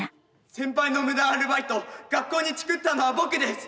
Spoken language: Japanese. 先輩の無断アルバイト学校にチクったのは僕です。